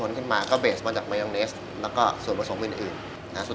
ของเราก็พิเศษอ่าใช่ครับซอส